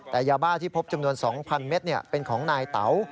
แต่ยาบ้าที่พบจำนวน๒๐๐เมตรเป็นของนายเต๋า